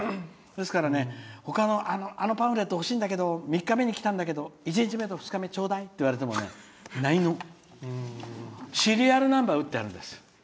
ですからね、あのパンフレット欲しいんだけどって３日目に来たんだけど１日目と２日目頂戴って言われてもないの。シリアルナンバーを打ってあるんです。